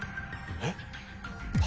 えっ？